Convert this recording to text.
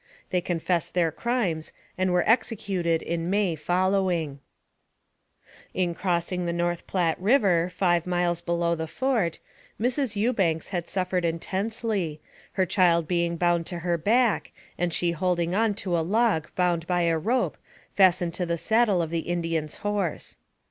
They confessed their crimes, and were executed in May following. 226 NARRATIVE OF CAPTIVITY In crossing the North Platte River, five miles below the fort, Mrs. Ewbanks had suffered intensely, her child being bound to her back, and she holding on to a log bound by a rope fastened to the saddle of the In dian's horse.